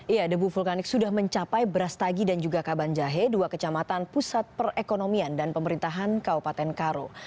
iya debu vulkanik sudah mencapai berastagi dan juga kabanjahe dua kecamatan pusat perekonomian dan pemerintahan kabupaten karo